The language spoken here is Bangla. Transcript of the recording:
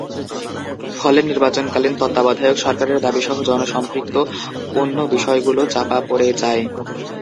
ফলে নির্বাচনকালীন তত্ত্বাবধায়ক সরকারের দাবিসহ জনসম্পৃক্ত অন্য বিষয়গুলো চাপা পড়ে যায়।